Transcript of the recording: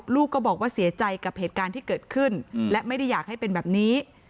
ลูกก็บอกว่าเสียใจกับเหตุการณ์ที่เกิดขึ้นและไม่ได้อยากให้เป็นแบบนี้